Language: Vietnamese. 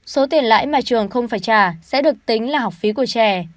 số tiền lãi mà trường không phải trả sẽ được tính là học phí của trẻ